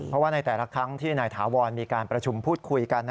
เพราะว่าในแต่ละครั้งที่นายถาวรมีการประชุมพูดคุยกัน